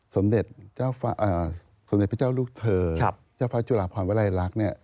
สมเด็จพระเจ้าลูกเธอเจ้าฟ้าจุลาพรไวรัยรัก